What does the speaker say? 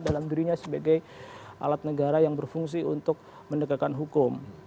dalam dirinya sebagai alat negara yang berfungsi untuk mendekatkan hukum